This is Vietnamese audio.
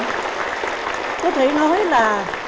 tôi có thể nói là